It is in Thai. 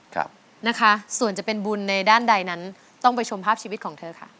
ครับนะคะส่วนจะเป็นบุญในด้านใดนั้นต้องไปชมภาพชีวิตของเธอค่ะ